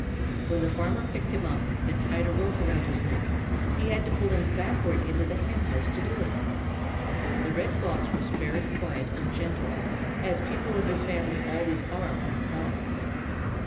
When the farmer picked him up and tied a rope around his neck, he had to pull him backward into the Hen house to do it. The Red Fox was very quiet and gentle, as people of his family always are when caught.